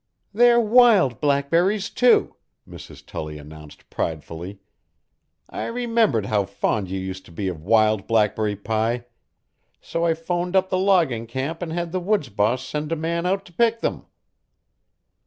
"They're wild blackberries, too," Mrs. Tully announced pridefully. "I remembered how fond you used to be of wild blackberry pie so I phoned up to the logging camp and had the woods boss send a man out to pick them."